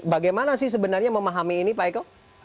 bagaimana sih sebenarnya memahami ini pak eko